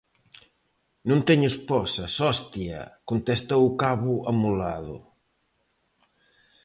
_Non teño esposas, ¡hostia! _contestou o cabo amolado.